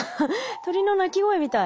鳥の鳴き声みたい。